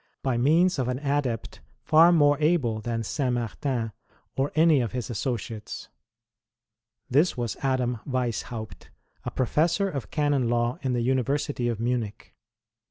by means of an adept far more able than Saint Martin or any of his associates. This was Adam Wieshaupt, a Professor of Canon Law in the University of Munich.